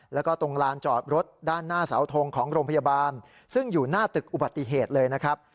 แล้วก็ตรงลานจอดรถด้านหน้าเสาทงของโรงพยาบาลซึ่งอยู่หน้าตึกอุบัติเหตุเลยนะครับ